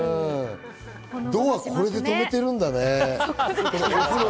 ドアはこれでとめてるんだね。